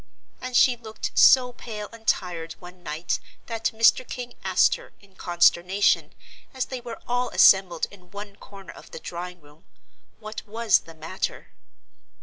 And she looked so pale and tired one night that Mr. King asked her, in consternation, as they were all assembled in one corner of the drawing room, what was the matter.